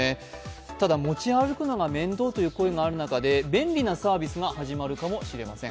ただ、持ち歩くのが面倒という声がある中で便利なサービスが始まるかもしれません。